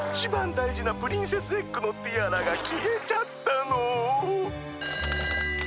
だいじなプリンセスエッグのティアラがきえちゃったの！